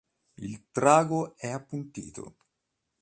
Il trago è appuntito.